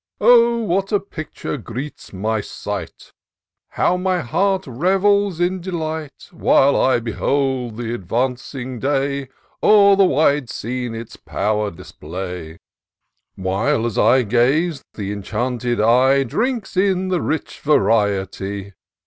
Oh, what a picture greets my sight ! How my heart revels in delight. While I behold th' advancing day O'er the wide scene its power display ; While, as I gaze, th' enchanted eye Drinks in the rich variety